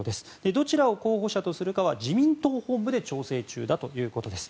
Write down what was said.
どちらを候補者とするかは自民党本部で調整中だということです。